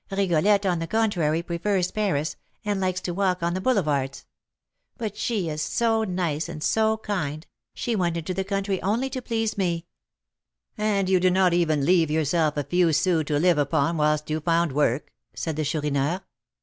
Rigolette, on the contrary, prefers Paris, and likes to walk on the Boulevards; but she is so nice and so kind, she went into the country only to please me." "And you did not even leave yourself a few sous to live upon whilst you found work?" said the Chourineur.